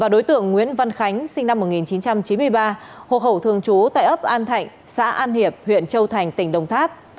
hộ khẩu thường chú tại ấp an thạnh xã an hiệp huyện châu thành tỉnh đồng tháp